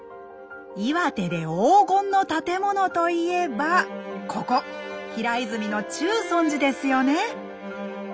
岩手で黄金の建物といえばここ平泉の中尊寺ですよね。